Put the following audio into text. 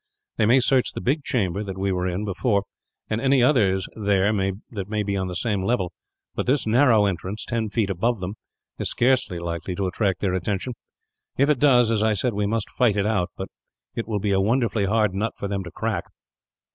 They may search the big chamber that we were in, before, and any others there may be on the same level; but this narrow entrance, ten feet above them, is scarcely likely to attract their attention. If it does, as I said, we must fight it out; but it will be a wonderfully hard nut for them to crack."